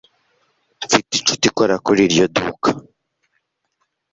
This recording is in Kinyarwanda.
Mfite inshuti ikora kuri iryo duka